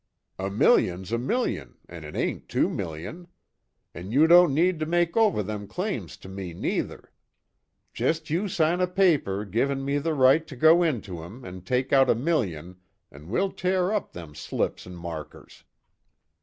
A million's a million an' it ain't two million. An' you don't need to make over them claims to me, neither. Jest you sign a paper givin' me the right to go into 'em an' take out a million, an' we'll tear up them slips an' markers."